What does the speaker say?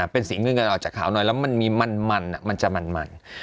เป็นสีเงินออกจากขาวหน่อยแล้วมันมีมันมันจะมัน